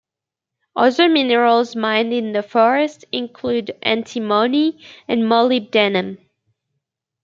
Other minerals mined in the forest include antimony and molybdenum.